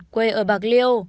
quê ở bạc liêu